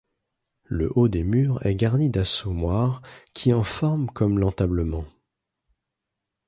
Le haut des murs est garni d'assommoirs qui en forment comme l'entablement.